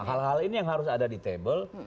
hal hal ini yang harus ada di table